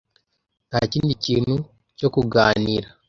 Ntakindi kintu cyo kuganira.